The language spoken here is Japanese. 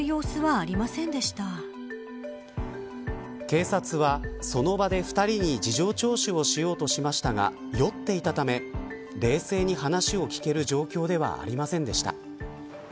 警察は、その場で２人に事情聴取をしようとしましたが酔っていたため冷静に話を聞ける状況ではありませんでした。